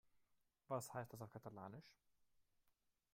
Was heißt das auf Katalanisch?